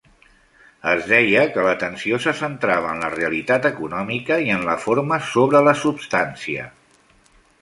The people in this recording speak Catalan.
Es deia que l'atenció se centrava en la "realitat econòmica" i en la forma sobre la substància.